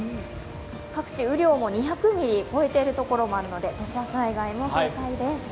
各地、雨量も２００ミリを超えてるところもあるので土砂災害に警戒です。